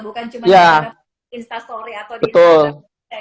bukan cuma instastory atau gitu